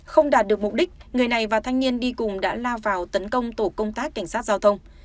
không đạt được mục đích người này và thanh niên đi cùng đã lao vào tấn công tổ công tác cảnh sát giao thông